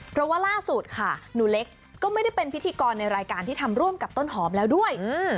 เพราะว่าล่าสุดค่ะหนูเล็กก็ไม่ได้เป็นพิธีกรในรายการที่ทำร่วมกับต้นหอมแล้วด้วย